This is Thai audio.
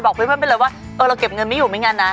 เพื่อนไปเลยว่าเออเราเก็บเงินไม่อยู่ไม่งั้นนะ